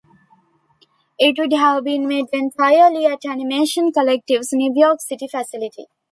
It would have been made entirely at Animation Collective's New York City facility.